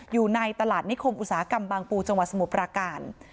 อยู่ในตลาดนิคมอุตสาหกรรมบางปูจสมประการ